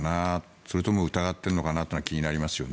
それとも疑っているのか気になりますよね。